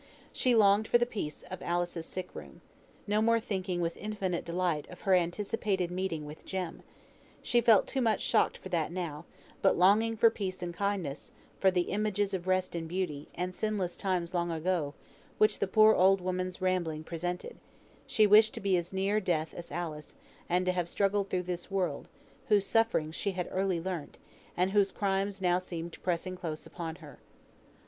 She longed for the peace of Alice's sick room. No more thinking with infinite delight of her anticipated meeting with Jem, she felt too much shocked for that now; but longing for peace and kindness, for the images of rest and beauty, and sinless times long ago, which the poor old woman's rambling presented, she wished to be as near death as Alice; and to have struggled through this world, whose sufferings she had early learnt, and whose crimes now seemed pressing close upon her.